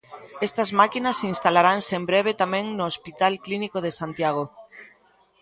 Estas máquinas instalaranse en breve tamén no Hospital Clínico de Santiago.